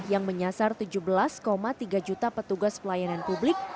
yang menyasar tujuh belas tiga juta petugas pelayanan publik